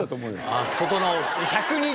ああ整う？